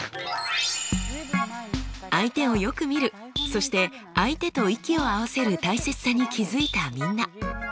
そして相手と息を合わせる大切さに気付いたみんな。